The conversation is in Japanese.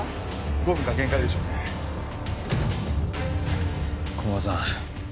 ５分が限界でしょうね駒場さん